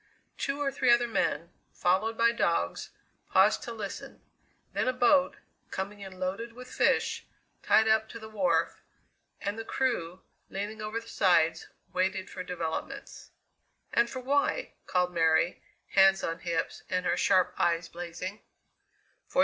Two or three other men, followed by dogs, paused to listen. Then a boat, coming in loaded with fish, tied up to the wharf, and the crew, leaning over the sides, waited for developments. "And for why?" called Mary, hands on hips and her sharp eyes blazing.